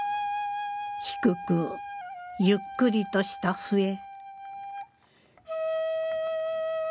低くゆっくりとした笛。